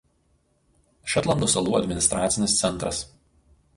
Šetlando salų administracinis centras.